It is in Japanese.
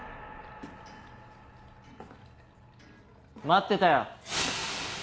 待ってたよ。